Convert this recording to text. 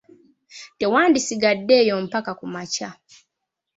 Tewandisigadde eyo mpaka ku makya!